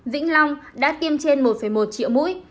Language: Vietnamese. vĩnh long đã tiêm trên một một triệu mũi